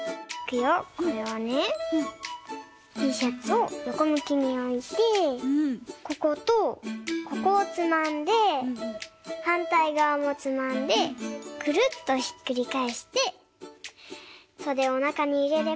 ティーシャツをよこむきにおいてこことここをつまんではんたいがわもつまんでくるっとひっくりかえしてそでをなかにいれればかんせい！